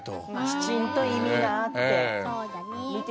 きちんと意味があって。